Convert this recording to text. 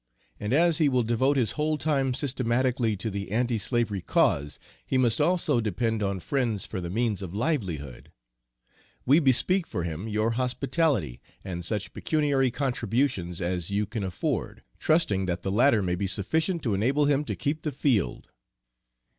And as he will devote his whole time systematically to the anti slavery cause, he must also depend on friends for the means of livelihood. We bespeak for him your hospitality, and such pecuniary contributions as you can afford, trusting that the latter may be sufficient to enable him to keep the field.